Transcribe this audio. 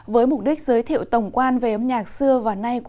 với mục đích giới thiệu tổng quan về âm nhạc xưa và nay